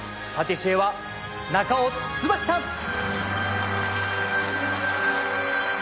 パティシエは中尾椿さん！